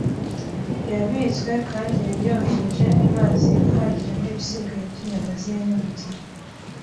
yabitswe kandi yari yohereje amazi ahagije nibisigaye byinyama zihene mugihe